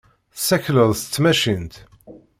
Tessakleḍ s tmacint.